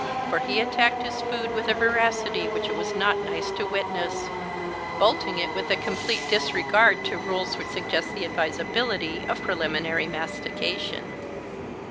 For he attacked his food with a voracity which it was not nice to witness, bolting it with a complete disregard to rules which suggest the advisability of preliminary mastication.